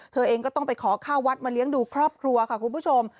เธอเองก็ต้องไปขอข้าววัดมาเลี้ยงดูครอบครัวค่ะคุณผู้ชม